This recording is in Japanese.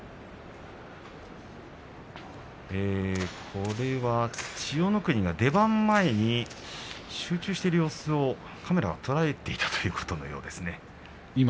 これは千代の国が出番前に集中している様子をカメラが捉えていたということのようですね。